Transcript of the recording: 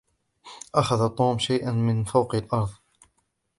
أخذ توم شيئا ما من فوق الأرض.